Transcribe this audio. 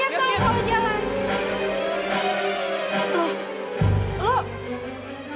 udah siap siap sama kalau jalan